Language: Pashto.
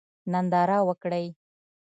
ننداره وکړئ.